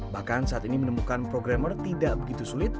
bahkan saat ini menemukan programmer tidak begitu sulit